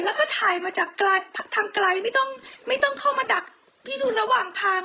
แล้วก็ถ่ายมาจากไกลทางไกลไม่ต้องไม่ต้องเข้ามาดักพี่ดูระหว่างทาง